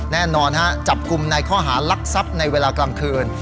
แน่นอนฮะจับกลุ่มในข้อหารักทรัพย์ในเวลากลางคืน